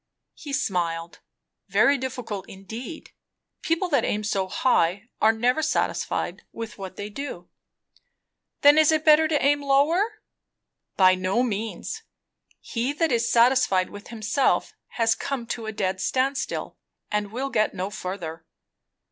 He smiled. "Very difficult indeed. People that aim so high are never satisfied with what they do." "Then is it better to aim lower?" "By no means! He that is satisfied with himself has come to a dead stand still; and will get no further."